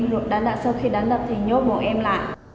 rồi đánh đập sau khi đánh đập thì nhốt bọn em lại